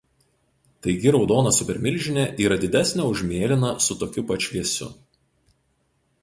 Taigi raudona supermilžinė yra didesnė už mėlyną su tokiu pat šviesiu.